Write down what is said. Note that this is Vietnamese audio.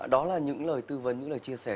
đó là những lời tư vấn những lời chia sẻ